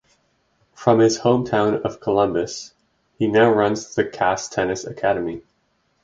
From his home town of Columbus he now runs the Kass Tennis Academy.